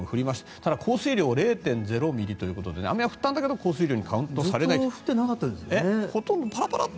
ただ、降水量０．０ミリということで雨は降ったんだけど降水量にカウントされない。